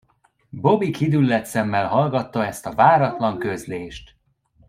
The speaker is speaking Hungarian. Bobby kidülledt szemmel hallgatta ezt a váratlan közlést.